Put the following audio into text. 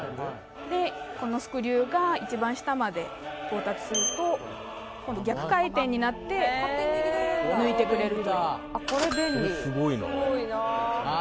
このスクリューが一番下まで到達すると今度逆回転になって抜いてくれるというこれ便利これすごいなああ